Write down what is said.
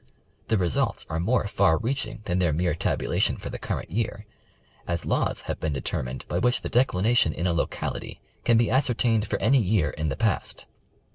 The results are more far reach ing than their mere tabulation for the current year, as laws have been determined by which the declination in a locality can be ascertained for any year in the past.